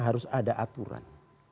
harus ada aturan